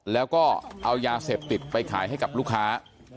แล้วก็เอายาเสพติดไปขายให้กับลูกค้า